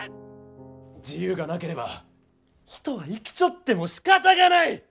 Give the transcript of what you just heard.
自由がなければ人は生きちょってもしかたがない！